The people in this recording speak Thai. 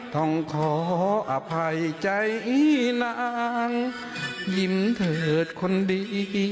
ต้องขออภัยใจอีนางยิ้มเถิดคนดี